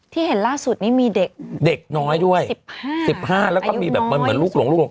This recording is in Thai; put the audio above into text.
ที่เห็นล่าสุดนี้มีเด็กน้อยด้วย๑๕แล้วก็มีแบบเหมือนลูกลง